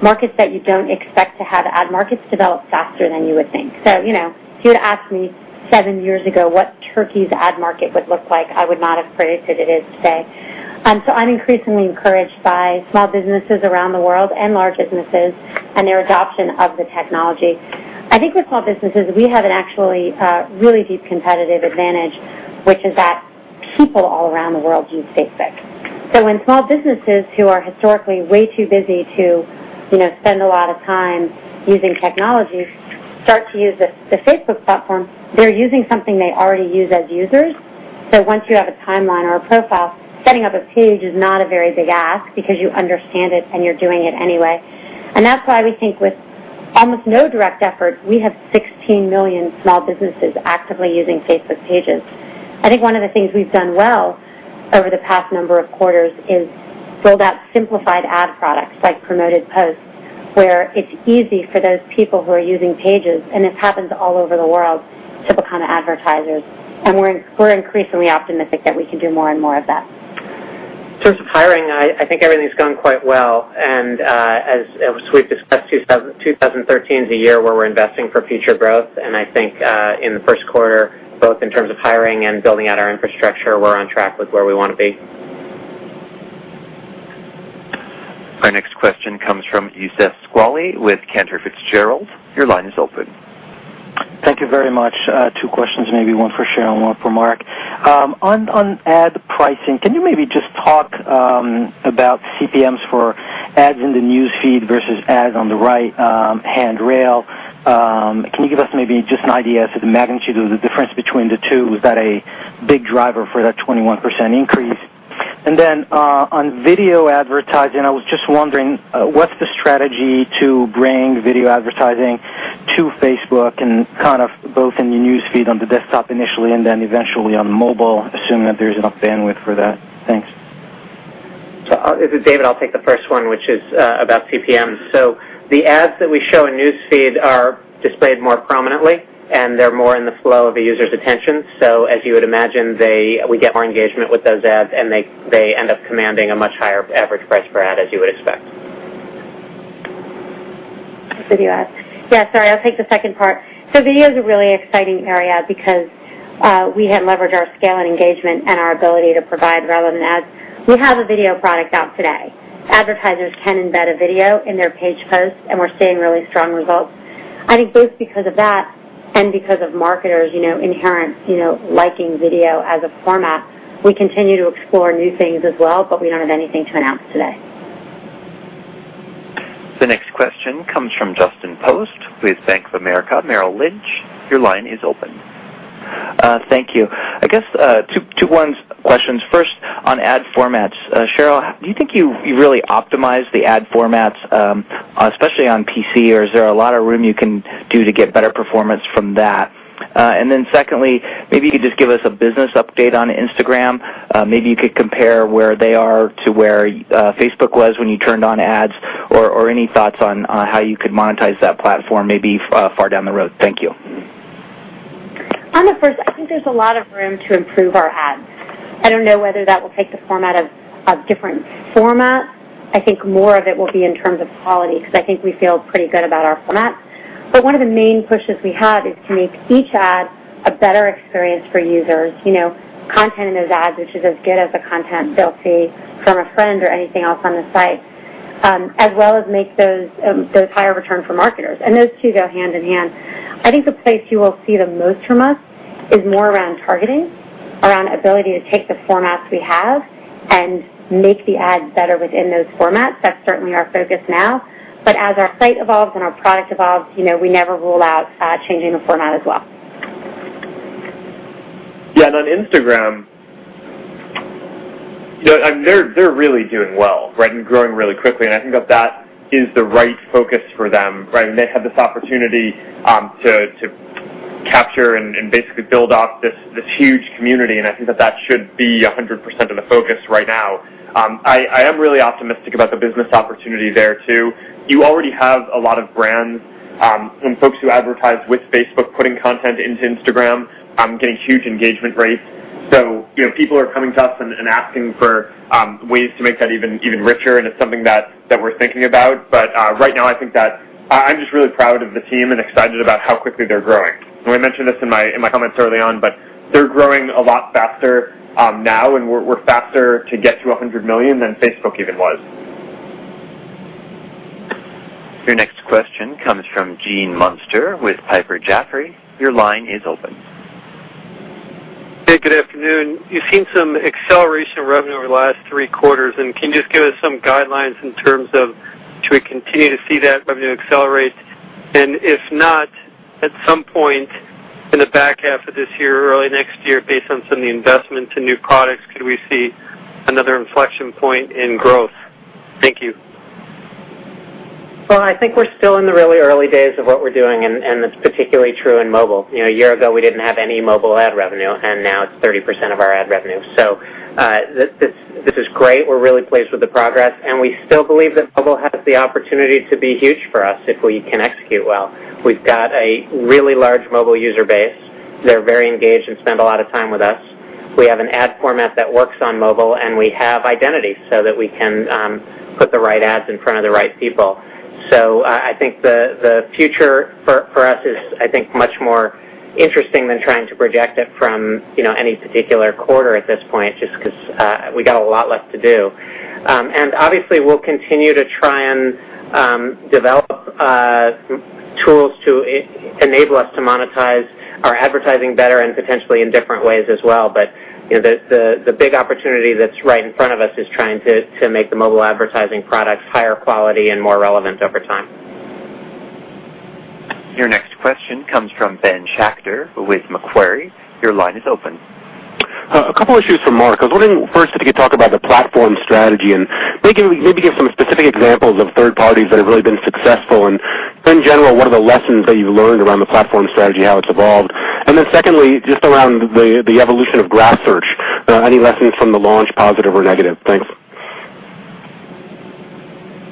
C: that markets that you don't expect to have ad markets develop faster than you would think. If you'd asked me seven years ago what Turkey's ad market would look like, I would not have predicted it is today. I'm increasingly encouraged by small businesses around the world and large businesses and their adoption of the technology. I think with small businesses, we have an actually really deep competitive advantage, which is that people all around the world use Facebook. When small businesses who are historically way too busy to spend a lot of time using technology start to use the Facebook platform, they're using something they already use as users. Once you have a timeline or a profile, setting up a Page is not a very big ask because you understand it, and you're doing it anyway. That's why we think with-
D: Almost no direct effort. We have 16 million small businesses actively using Facebook Pages. I think one of the things we've done well over the past number of quarters is build out simplified ad products like Promoted Posts, where it's easy for those people who are using Pages, and it's happened all over the world to become advertisers. We're increasingly optimistic that we can do more and more of that.
C: In terms of hiring, I think everything's going quite well. As we've discussed, 2013 is a year where we're investing for future growth. I think, in the first quarter, both in terms of hiring and building out our infrastructure, we're on track with where we want to be.
A: Our next question comes from Youssef Squali with Cantor Fitzgerald. Your line is open.
K: Thank you very much. Two questions, maybe one for Sheryl and one for Mark. On ad pricing, can you maybe just talk about CPMs for ads in the News Feed versus ads on the right-hand rail? Can you give us maybe just an idea as to the magnitude of the difference between the two? Is that a big driver for that 21% increase? On video advertising, I was just wondering, what's the strategy to bring video advertising to Facebook and kind of both in the News Feed on the desktop initially and then eventually on mobile, assuming that there's enough bandwidth for that? Thanks.
E: This is David. I'll take the first one, which is about CPM. The ads that we show in News Feed are displayed more prominently, and they're more in the flow of a user's attention. As you would imagine, we get more engagement with those ads, and they end up commanding a much higher average price per ad, as you would expect.
D: Video ads. Yeah, sorry, I'll take the second part. Video is a really exciting area because we have leveraged our scale and engagement and our ability to provide relevant ads. We have a video product out today. Advertisers can embed a video in their Page Posts, and we're seeing really strong results. I think both because of that and because of marketers' inherent liking video as a format. We continue to explore new things as well, but we don't have anything to announce today.
A: The next question comes from Justin Post with Bank of America Merrill Lynch. Your line is open.
L: Thank you. I guess two questions. First, on ad formats. Sheryl, do you think you really optimized the ad formats, especially on PC, or is there a lot of room you can do to get better performance from that? Secondly, maybe you could just give us a business update on Instagram. Maybe you could compare where they are to where Facebook was when you turned on ads, or any thoughts on how you could monetize that platform, maybe far down the road. Thank you.
D: On the first, I think there's a lot of room to improve our ads. I don't know whether that will take the format of different formats. I think more of it will be in terms of quality because I think we feel pretty good about our formats. One of the main pushes we have is to make each ad a better experience for users. Content in those ads, which is as good as the content they'll see from a friend or anything else on the site, as well as make those higher return for marketers. Those two go hand in hand. I think the place you will see the most from us is more around targeting, around ability to take the formats we have and make the ads better within those formats. That's certainly our focus now. As our site evolves and our product evolves, we never rule out changing the format as well.
C: Yeah, on Instagram, they're really doing well, right? Growing really quickly, and I think that is the right focus for them. They have this opportunity to capture and basically build off this huge community, and I think that should be 100% of the focus right now. I am really optimistic about the business opportunity there, too. You already have a lot of brands and folks who advertise with Facebook putting content into Instagram, getting huge engagement rates. People are coming to us and asking for ways to make that even richer, and it's something that we're thinking about. Right now, I think that I'm just really proud of the team and excited about how quickly they're growing. We mentioned this in my comments early on, but they're growing a lot faster now, and we're faster to get to 100 million than Facebook even was.
A: Your next question comes from Gene Munster with Piper Jaffray. Your line is open.
M: Hey, good afternoon. You've seen some acceleration revenue over the last three quarters, can you just give us some guidelines in terms of should we continue to see that revenue accelerate? If not, at some point in the back half of this year or early next year, based on some of the investments in new products, could we see another inflection point in growth? Thank you.
C: Well, I think we're still in the really early days of what we're doing. That's particularly true in mobile. A year ago, we didn't have any mobile ad revenue. Now it's 30% of our ad revenue. This is great. We're really pleased with the progress. We still believe that mobile has the opportunity to be huge for us if we can execute well. We've got a really large mobile user base. They're very engaged and spend a lot of time with us. We have an ad format that works on mobile. We have identity so that we can put the right ads in front of the right people. I think the future for us is I think much more interesting than trying to project it from any particular quarter at this point, just because we got a lot left to do. Obviously, we'll continue to try and develop tools to enable us to monetize our advertising better and potentially in different ways as well. The big opportunity that's right in front of us is trying to make the mobile advertising products higher quality and more relevant over time.
A: Your next question comes from Ben Schachter with Macquarie. Your line is open.
N: A couple issues for Mark. I was wondering first if you could talk about the platform strategy and maybe give some specific examples of third parties that have really been successful. In general, what are the lessons that you've learned around the platform strategy, how it's evolved? Then secondly, just around the evolution of Graph Search. Any lessons from the launch, positive or negative? Thanks.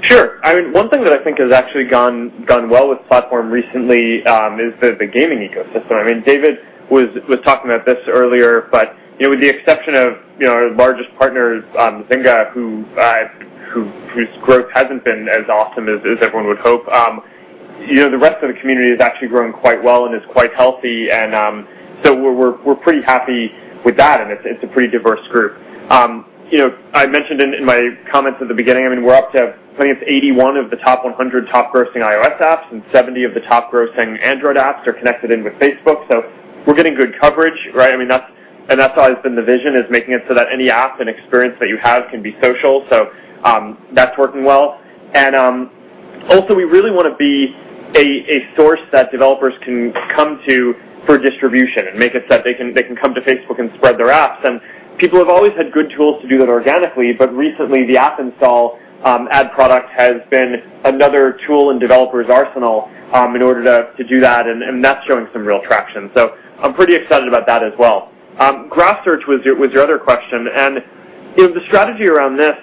C: Sure. One thing that I think has actually gone well with the platform recently is the gaming ecosystem. David was talking about this earlier, but with the exception of our largest partner, Zynga, whose growth hasn't been as awesome as everyone would hope, the rest of the community has actually grown quite well and is quite healthy. We're pretty happy with that, and it's a pretty diverse group. I mentioned in my comments at the beginning, we're up to I think it's 81 of the top 100 top-grossing iOS apps, and 70 of the top-grossing Android apps are connected in with Facebook. We're getting good coverage, right? That's always been the vision, is making it so that any app and experience that you have can be social. That's working well. We really want to be a source that developers can come to for distribution and make it so that they can come to Facebook and spread their apps. People have always had good tools to do that organically. Recently, the app install ad product has been another tool in developers' arsenal in order to do that, and that's showing some real traction. I'm pretty excited about that as well. Graph Search was your other question, the strategy around this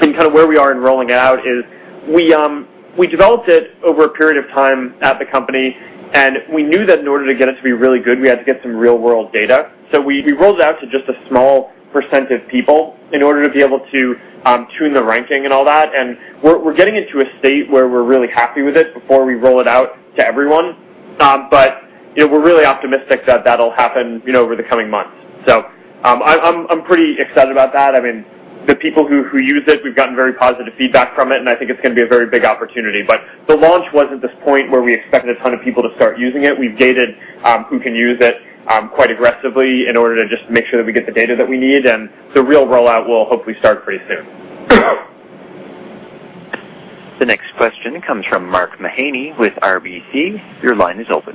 C: and kind of where we are in rolling out is we developed it over a period of time at the company, we knew that in order to get it to be really good, we had to get some real-world data. We rolled it out to just a small percentage of people in order to be able to tune the ranking and all that. We're getting into a state where we're really happy with it before we roll it out to everyone. We're really optimistic that that'll happen over the coming months. I'm pretty excited about that. The people who use it, we've gotten very positive feedback from it, and I think it's going to be a very big opportunity. The launch wasn't this point where we expected a ton of people to start using it. We've gated who can use it quite aggressively in order to just make sure that we get the data that we need, and the real rollout will hopefully start pretty soon.
A: The next question comes from Mark Mahaney with RBC. Your line is open.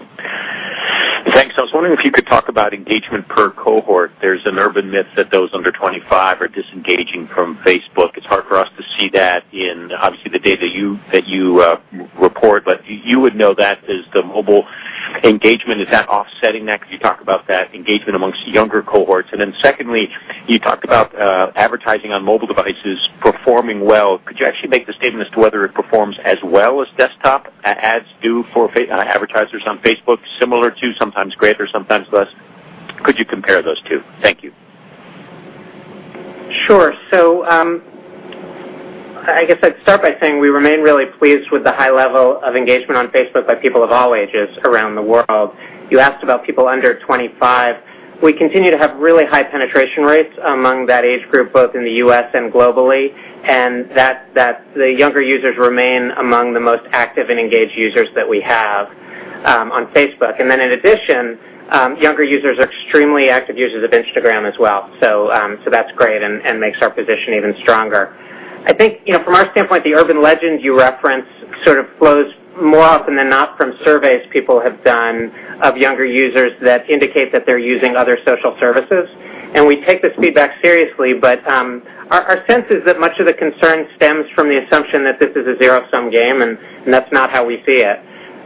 O: Thanks. I was wondering if you could talk about engagement per cohort. There's an urban myth that those under 25 are disengaging from Facebook. It's hard for us to see that in, obviously, the data that you report. You would know that. Does the mobile engagement, is that offsetting that? Could you talk about that engagement amongst younger cohorts? Secondly, you talked about advertising on mobile devices performing well. Could you actually make the statement as to whether it performs as well as desktop ads do for advertisers on Facebook? Similar to, sometimes greater, sometimes less. Could you compare those two? Thank you.
E: Sure. I guess I'd start by saying we remain really pleased with the high level of engagement on Facebook by people of all ages around the world. You asked about people under 25. We continue to have really high penetration rates among that age group, both in the U.S. and globally, and that the younger users remain among the most active and engaged users that we have on Facebook. In addition, younger users are extremely active users of Instagram as well. That's great and makes our position even stronger. I think from our standpoint, the urban legend you reference sort of flows more often than not from surveys people have done of younger users that indicate that they're using other social services. We take this feedback seriously, but our sense is that much of the concern stems from the assumption that this is a zero-sum game, and that's not how we see it.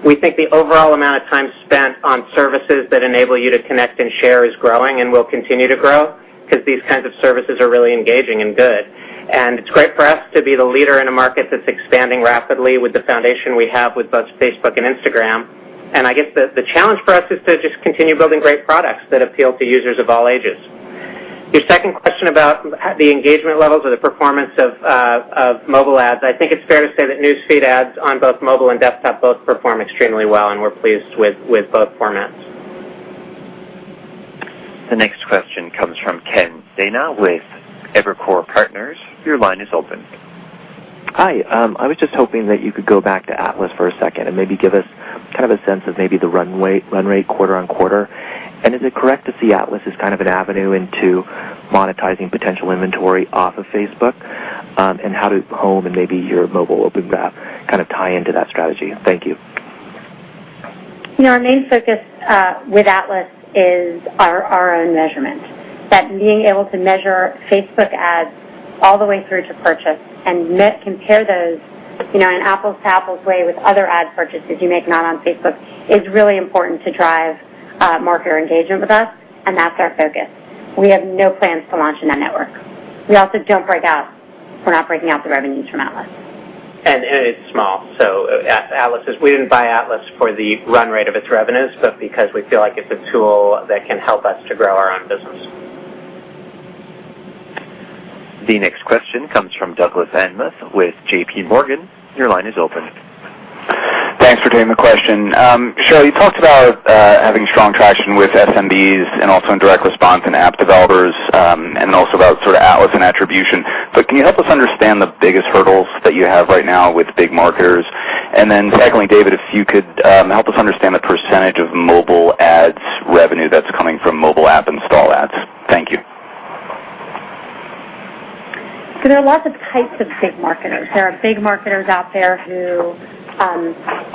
E: We think the overall amount of time spent on services that enable you to connect and share is growing and will continue to grow because these kinds of services are really engaging and good. It's great for us to be the leader in a market that's expanding rapidly with the foundation we have with both Facebook and Instagram. I guess the challenge for us is to just continue building great products that appeal to users of all ages. Your second question about the engagement levels or the performance of mobile ads. I think it's fair to say that News Feed ads on both mobile and desktop both perform extremely well, and we're pleased with both formats.
A: The next question comes from Ken Sena with Evercore Partners. Your line is open.
P: Hi. I was just hoping that you could go back to Atlas for a second and maybe give us kind of a sense of maybe the run rate quarter-over-quarter. Is it correct to see Atlas as kind of an avenue into monetizing potential inventory off of Facebook? How do Home and maybe your mobile Open Graph kind of tie into that strategy? Thank you.
D: Our main focus with Atlas is our own measurement. That being able to measure Facebook ads all the way through to purchase and compare those in an apples-to-apples way with other ad purchases you make not on Facebook is really important to drive marketer engagement with us, and that's our focus. We have no plans to launch in the network. We're not breaking out the revenues from Atlas.
C: It's small. We didn't buy Atlas for the run rate of its revenues, but because we feel like it's a tool that can help us to grow our own business.
A: The next question comes from Douglas Anmuth with J.P. Morgan. Your line is open.
Q: Thanks for taking the question. Sheryl, you talked about having strong traction with SMBs and also in direct response in app developers, and also about sort of Atlas and attribution. Can you help us understand the biggest hurdles that you have right now with big marketers? Then secondly, David, if you could help us understand the % of mobile ads revenue that's coming from mobile app install ads. Thank you.
D: There are lots of types of big marketers. There are big marketers out there who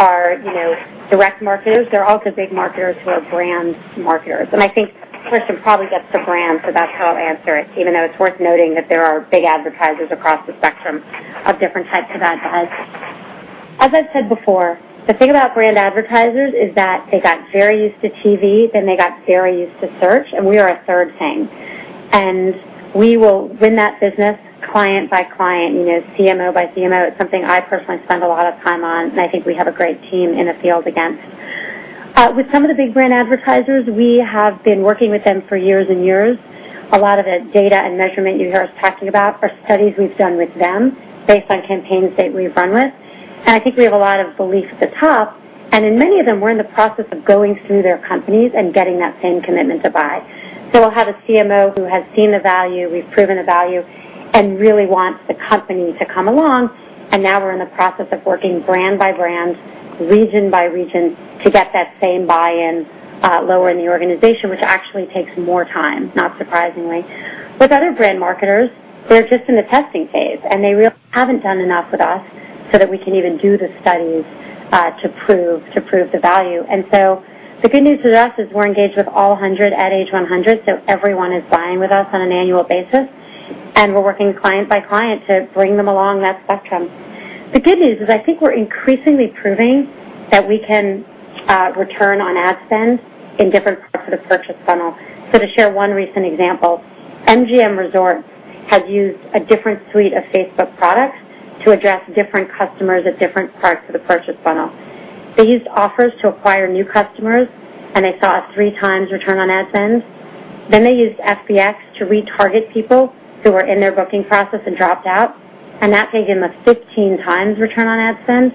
D: are direct marketers. There are also big marketers who are brand marketers. I think Kristen probably gets the brand, so that's how I'll answer it, even though it's worth noting that there are big advertisers across the spectrum of different types of ads bought. As I've said before, the thing about brand advertisers is that they got very used to TV, then they got very used to search, we are a third thing. We will win that business client by client, CMO by CMO. It's something I personally spend a lot of time on, and I think we have a great team in the field, again. With some of the big brand advertisers, we have been working with them for years and years. A lot of the data and measurement you hear us talking about are studies we've done with them based on campaigns that we've run with. I think we have a lot of belief at the top. In many of them, we're in the process of going through their companies and getting that same commitment to buy. We'll have a CMO who has seen the value, we've proven the value, really wants the company to come along, now we're in the process of working brand by brand, region by region to get that same buy-in lower in the organization, which actually takes more time, not surprisingly. With other brand marketers, we're just in the testing phase, they really haven't done enough with us so that we can even do the studies to prove the value. The good news with us is we're engaged with all 100 Ad Age 100, everyone is buying with us on an annual basis, we're working client by client to bring them along that spectrum. The good news is I think we're increasingly proving that we can return on ad spend in different parts of the purchase funnel. To share one recent example, MGM Resorts has used a different suite of Facebook products to address different customers at different parts of the purchase funnel. They used offers to acquire new customers, they saw a three times return on ad spend. They used FBX to retarget people who were in their booking process dropped out, that gave them a 15 times return on ad spend.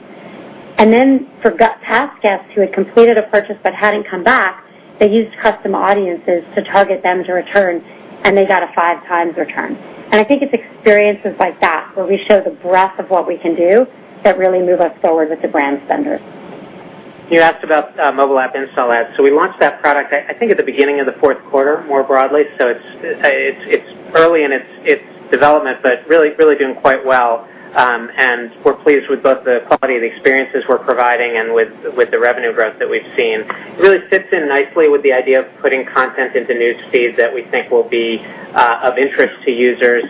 D: Then for past guests who had completed a purchase but hadn't come back, they used Custom Audiences to target them to return, and they got a five times return. I think it's experiences like that where we show the breadth of what we can do that really move us forward with the brand spenders.
E: We launched that product, I think, at the beginning of the fourth quarter, more broadly. So it's early in its development, but really doing quite well. And we're pleased with both the quality of the experiences we're providing and with the revenue growth that we've seen. It really fits in nicely with the idea of putting content into News Feed that we think will be of interest to users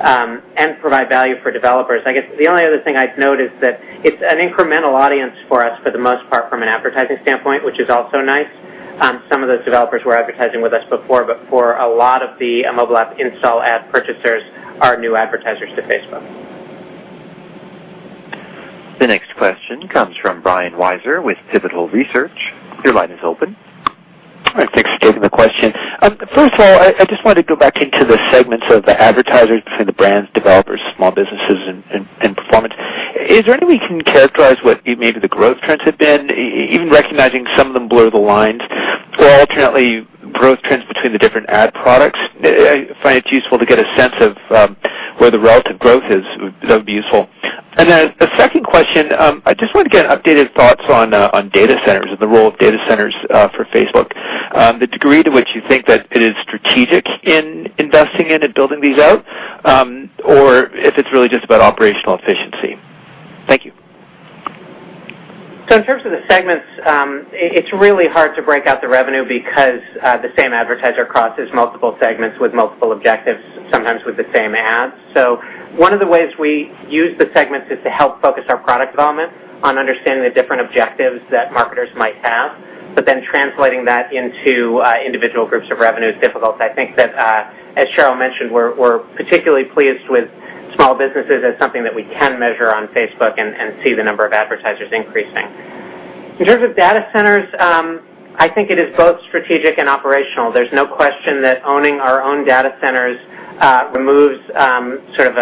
E: and provide value for developers. I guess the only other thing I'd note is that it's an incremental audience for us for the most part from an advertising standpoint, which is also nice. Some of those developers were advertising with us before, but for a lot of the mobile app install ad purchasers are new advertisers to Facebook.
A: The next question comes from Brian Wieser with Pivotal Research. Your line is open.
R: Thanks. Thanks for taking the question. First of all, I just wanted to go back into the segments of the advertisers between the brands, developers, small businesses, and performance. Is there any way you can characterize what maybe the growth trends have been, even recognizing some of them blur the lines? Or alternately, growth trends between the different ad products? I find it's useful to get a sense of where the relative growth is. That would be useful. Then the second question, I just wanted to get updated thoughts on data centers and the role of data centers for Facebook. The degree to which you think that it is strategic in investing in and building these out, or if it's really just about operational efficiency. Thank you.
E: In terms of the segments, it's really hard to break out the revenue because the same advertiser crosses multiple segments with multiple objectives, sometimes with the same ads. One of the ways we use the segments is to help focus our product development on understanding the different objectives that marketers might have. Translating that into individual groups of revenue is difficult. I think that, as Sheryl mentioned, we're particularly pleased with small businesses as something that we can measure on Facebook and see the number of advertisers increasing. In terms of data centers, I think it is both strategic and operational. There's no question that owning our own data centers removes sort of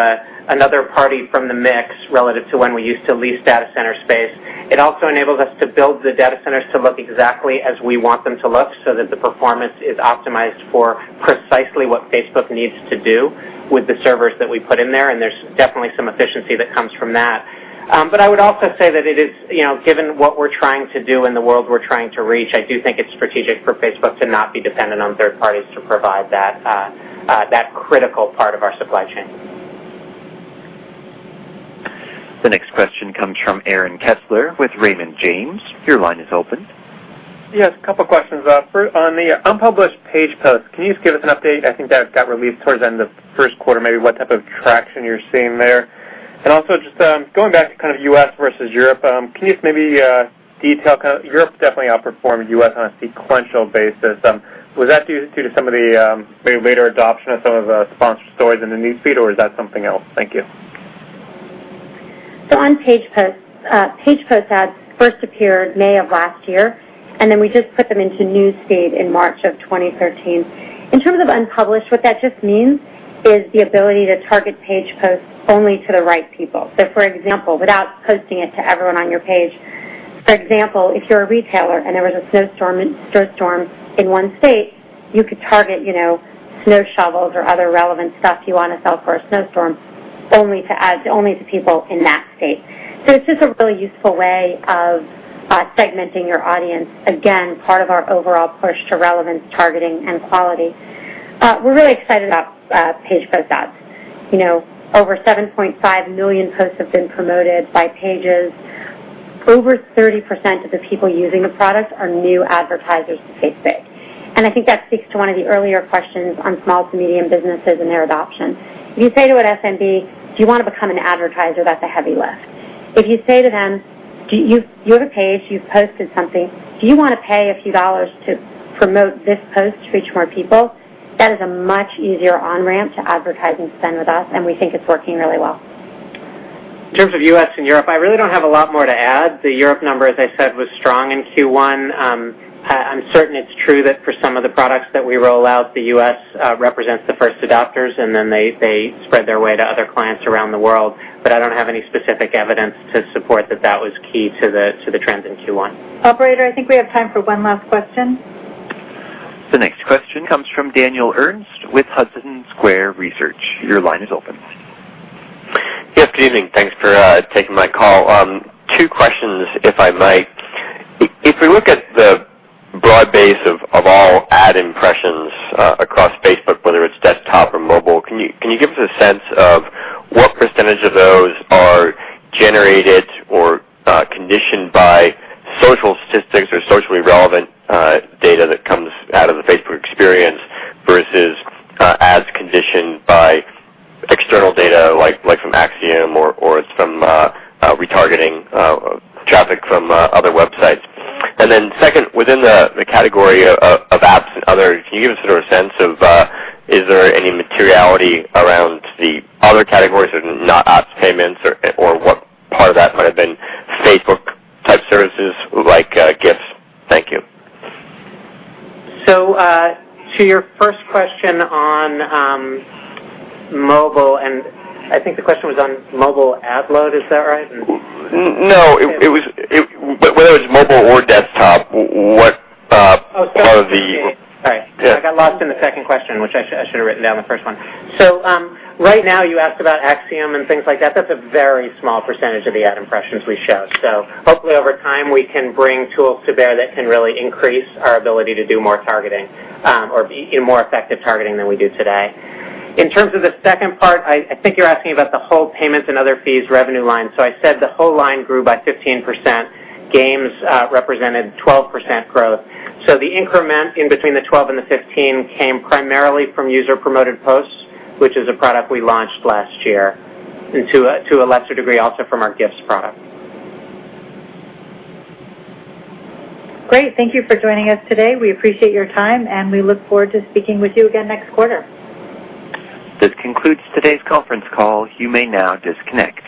E: another party from the mix relative to when we used to lease data center space. It also enables us to build the data centers to look exactly as we want them to look so that the performance is optimized for precisely what Facebook needs to do with the servers that we put in there, and there's definitely some efficiency that comes from that. I would also say that it is, given what we're trying to do and the world we're trying to reach, I do think it's strategic for Facebook to not be dependent on third parties to provide that critical part of our supply chain.
A: The next question comes from Aaron Kessler with Raymond James. Your line is open.
S: Yes, a couple questions. On the unpublished Page Posts, can you just give us an update? I think that got released towards the end of first quarter, maybe what type of traction you're seeing there. Also, just going back to kind of U.S. versus Europe, can you maybe detail kind of, Europe definitely outperformed U.S. on a sequential basis. Was that due to some of the maybe later adoption of some of the sponsored stories in the News Feed, or is that something else? Thank you.
D: On Page Posts, Page Post ads first appeared May of last year, and then we just put them into News Feed in March of 2013. In terms of unpublished, what that just means is the ability to target Page Posts only to the right people. For example, without posting it to everyone on your page, for example, if you're a retailer and there was a snowstorm in one state, you could target snow shovels or other relevant stuff you want to sell for a snowstorm only to people in that state. It's just a really useful way of segmenting your audience. Again, part of our overall push to relevance, targeting, and quality. We're really excited about Page Post ads. Over 7.5 million posts have been promoted by pages. Over 30% of the people using the product are new advertisers to Facebook, I think that speaks to one of the earlier questions on SMBs and their adoption. If you say to an SMB, "Do you want to become an advertiser?" That's a heavy lift. If you say to them, "You have a page, you've posted something. Do you want to pay a few dollars to promote this post to reach more people?" That is a much easier on-ramp to advertising spend with us, we think it's working really well.
E: In terms of U.S. and Europe, I really don't have a lot more to add. The Europe number, as I said, was strong in Q1. I'm certain it's true that for some of the products that we roll out, the U.S. represents the first adopters, then they spread their way to other clients around the world. I don't have any specific evidence to support that that was key to the trends in Q1.
B: Operator, I think we have time for one last question.
A: The next question comes from Daniel Ernst with Hudson Square Research. Your line is open.
T: Yes. Good evening. Thanks for taking my call. Two questions, if I might. If we look at the broad base of all ad impressions across Facebook, whether it's desktop or mobile, can you give us a sense of what percentage of those are generated or conditioned by social statistics or socially relevant data that comes out of the Facebook experience, versus ads conditioned by external data like from Acxiom or some retargeting traffic from other websites? Second, within the category of apps and other, can you give us a sense of, is there any materiality around the other categories that are not apps payments or what part of that might have been Facebook-type services like gifts? Thank you.
E: To your first question on mobile, and I think the question was on mobile ad load, is that right?
T: No, whether it was mobile or desktop, what part of the-
E: Sorry.
T: Yeah.
E: I got lost in the second question, which I should have written down the first one. Right now, you asked about Acxiom and things like that. That's a very small % of the ad impressions we show. Hopefully over time, we can bring tools to bear that can really increase our ability to do more targeting or more effective targeting than we do today. In terms of the second part, I think you're asking about the whole payments and other fees revenue line. I said the whole line grew by 15%. Games represented 12% growth. The increment in between the 12 and the 15 came primarily from user-Promoted Posts, which is a product we launched last year, and to a lesser degree, also from our gifts product.
B: Great. Thank you for joining us today. We appreciate your time, and we look forward to speaking with you again next quarter.
A: This concludes today's conference call. You may now disconnect.